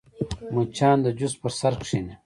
مچان د جوس پر سر کښېني